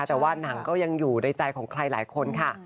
แต่ว่าหนังก็ยังอยู่ในใจของใครหลายคนค่ะ